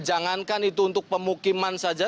jangankan itu untuk pemukiman saja